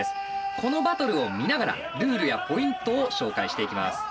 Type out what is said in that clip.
このバトルを見ながらルールやポイントを紹介していきます。